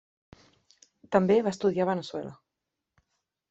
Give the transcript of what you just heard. També va estudiar a Veneçuela.